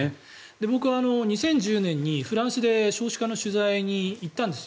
僕は２０１０年にフランスで少子化の取材に行ったんです。